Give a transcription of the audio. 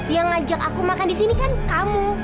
yang ngajak aku makan di sini kan kamu